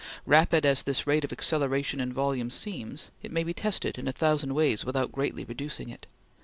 Rapid as this rate of acceleration in volume seems, it may be tested in a thousand ways without greatly reducing it.